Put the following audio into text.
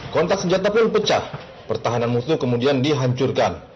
kontak senjata pun pecah pertahanan musuh kemudian dihancurkan